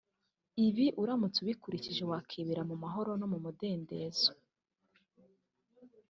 Ibi uramutse ubikurikije wakwibera mu mahoro no mu mudendezo